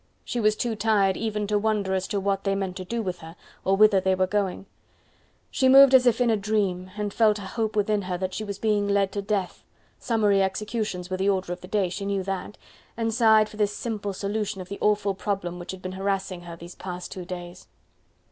She was too tired even to wonder as to what they meant to do with her or whither they were going; she moved as in a dream and felt a hope within her that she was being led to death: summary executions were the order of the day, she knew that, and sighed for this simple solution of the awful problem which had been harassing her these past two days.